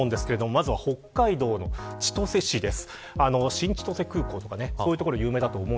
まずは北海道の千歳市です。